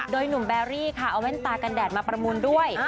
โดยหนุ่มแบรี่ค่ะเอาแว่นตากันแดดมาประมูลด้วย